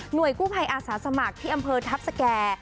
โดยกู้ภัยอาสาสมัครที่อำเภอทัพสแก่